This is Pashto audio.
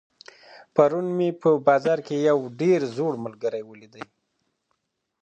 پرون مي په بازار کي یو ډېر زوړ ملګری ولیدی.